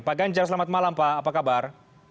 pak ganjar selamat malam pak apa kabar